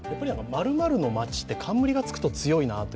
○○の町って冠がつくと強いなって。